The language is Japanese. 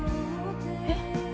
えっ？